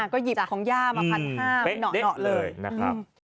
ก็หยิบของย่ามา๑๕๐๐บาทเหนาะเลยนะครับ